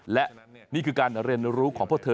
และนี่คือการเรียนรู้ของพวกเธอ